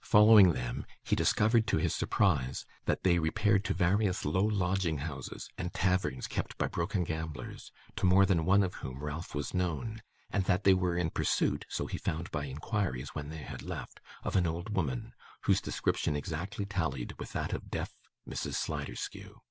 Following them, he discovered, to his surprise, that they repaired to various low lodging houses, and taverns kept by broken gamblers, to more than one of whom Ralph was known, and that they were in pursuit so he found by inquiries when they had left of an old woman, whose description exactly tallied with that of deaf Mrs Sliderskew.